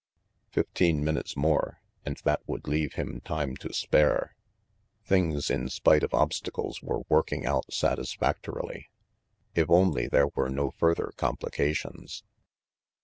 Fifteen minutes more, and that would leave him time to spare. Things, in spite of obstacles, were working out satisfactorily; if only there were no further com plications!